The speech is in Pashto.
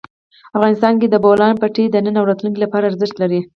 افغانستان کې د بولان پټي د نن او راتلونکي لپاره ارزښت لري.